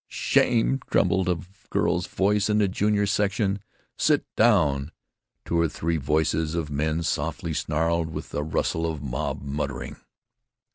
"Shame!" trembled a girl's voice in the junior section. "Sit down!" two or three voices of men softly snarled, with a rustle of mob muttering.